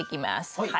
はい。